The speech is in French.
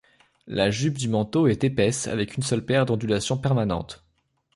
La jupe du manteau est épaisse avec une seule paire d'ondulations permanentes.